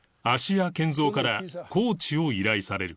芦屋賢三からコーチを依頼される